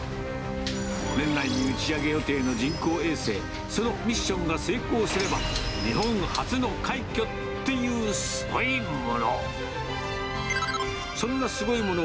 年内に打ち上げ予定の人工衛星、そのミッションが成功すれば、日本初の快挙っていう、すごいもの。